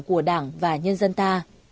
của đảng và nhân dân ta